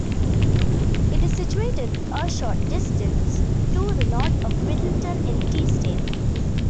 It is situated a short distance to the north of Middleton-in-Teesdale.